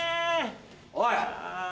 おい！